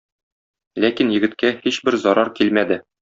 Ләкин егеткә һичбер зарар килмәде.